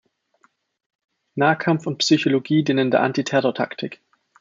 Nahkampf und Psychologie dienen der Antiterror-Taktik.